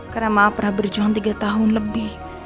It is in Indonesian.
karena mama pernah berjuang tiga tahun lebih